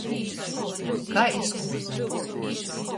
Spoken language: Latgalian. Kai iz kuozom.